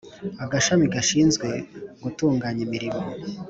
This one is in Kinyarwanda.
Agashami gashinzwe gutunganya imirimo